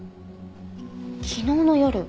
昨日の夜？